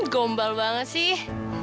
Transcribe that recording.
gombel banget sih